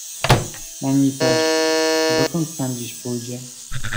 "Ani też, dokąd Pan dziś pójdzie."